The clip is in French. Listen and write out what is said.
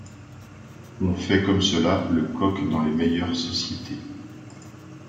On fait, comme cela, le coq dans les meilleures sociétés!